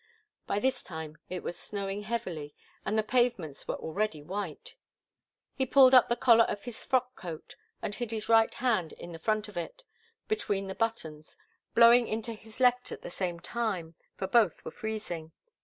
By this time it was snowing heavily and the pavements were already white. He pulled up the collar of his frock coat and hid his right hand in the front of it, between the buttons, blowing into his left at the same time, for both were freezing.